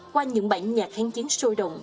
qua những bản nhạc kháng chiến sôi động